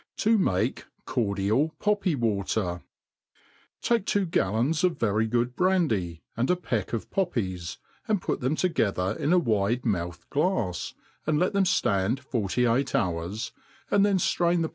To make Cordial Poppy Water. TAKE two gallons of very good brandy, and a peck of poppies, and put them together in a wide mouthed glafs, and let them ftand forty eight hours, and then firain the